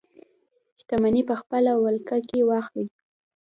شتمنۍ په خپله ولکه کې واخلي.